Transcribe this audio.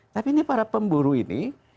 tapi ini para pemburu ini